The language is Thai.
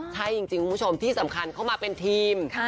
ใช่จริงคุณผู้ชมที่สำคัญเข้ามาเป็นทีม